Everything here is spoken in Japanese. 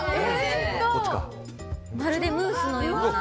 まるでムースのような。